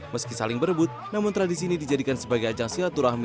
meski saling berebut namun tradisi ini dijadikan sebagai ajang silaturahmi